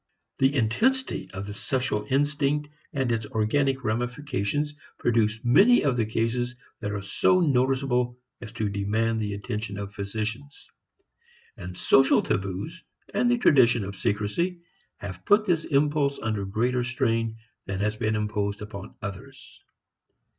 The intensity of the sexual instinct and its organic ramifications produce many of the cases that are so noticeable as to demand the attention of physicians. And social taboos and the tradition of secrecy have put this impulse under greater strain than has been imposed upon others.